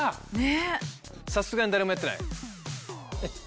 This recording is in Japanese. さすがに誰もやってない？